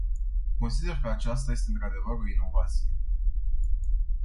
Consider că aceasta este într-adevăr o inovație.